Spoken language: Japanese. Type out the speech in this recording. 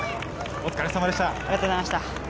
お疲れさまでした。